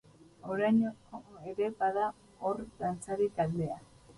Oraino ere bada hor dantzari taldea.